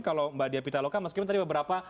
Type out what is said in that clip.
kalau mbak dia pitaloka meskipun tadi beberapa